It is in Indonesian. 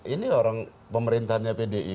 ini orang pemerintahnya pdi